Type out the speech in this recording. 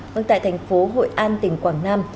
vâng tại thành phố hội an tỉnh quảng nam